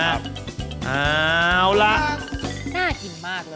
น่าดินมากเลย